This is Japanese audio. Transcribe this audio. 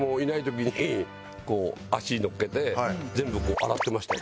こう足のっけて全部こう洗ってましたよ。